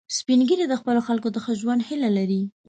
سپین ږیری د خپلو خلکو د ښه ژوند هیله لري